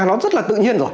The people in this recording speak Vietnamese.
nó rất là tự nhiên rồi